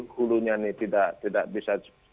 hulunya nih tidak bisa